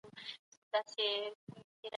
د وارداتو کمول د کورني اقتصاد سره مرسته کوي.